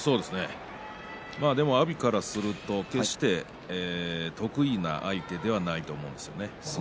でも阿炎からすると決して得意な相手ではないと思うんですね。